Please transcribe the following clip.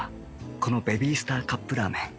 このベビースターカップラーメン